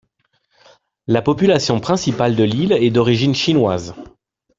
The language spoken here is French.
La population principale de l'île est d'origine chinoise.